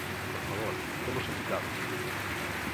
Por favor, ¡temos invitados!